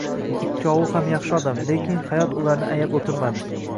Ikkalovi ham yaxshi odam, lekin hayot ularni ayab o`tirmadi